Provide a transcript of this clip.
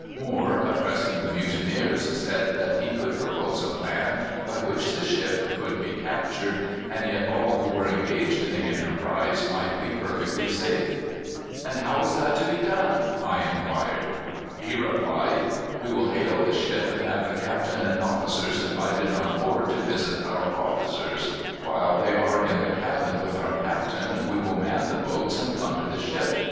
Moore, addressing the mutineers, said that he could propose a plan by which the ship could be captured, and yet all who were engaged in the enterprise might be perfectly safe. "'And how is that to be done,' I inquired? "He replied, 'We will hail the ship, and have the captain and officers invited on board to visit our officers. While they are in the cabin with our captain, we will man the boats and plunder the ship.